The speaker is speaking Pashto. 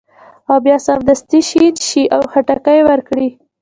او باید سمدستي شین شي او خټکي ورکړي.